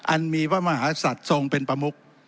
อันมีพระมหาศัตริย์ทรงเป็นประมุก